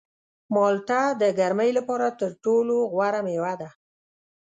مالټه د ګرمۍ لپاره تر ټولو غوره مېوه ده.